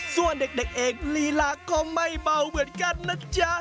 ส่วนเด็กเอกลีลาก็ไม่เบาเหมือนกันนะจ๊ะ